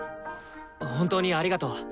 本当にありがとう。